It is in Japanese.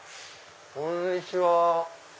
こんにちは。